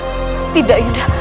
yunda tidak jangan lakukan itu